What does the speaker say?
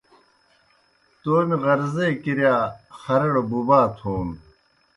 تومیْ غرضے کِرِیا خرڑ بُبا تھون